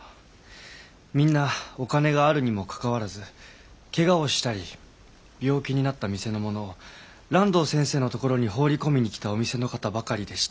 みんなお金があるにもかかわらずけがをしたり病気になった店の者を爛堂先生の所に放り込みに来たお店の方ばかりでした。